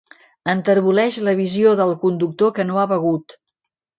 Enterboleix la visió del conductor que no ha begut.